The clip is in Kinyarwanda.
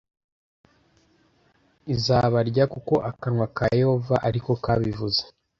izabarya kuko akanwa ka Yehova ari ko kabivuze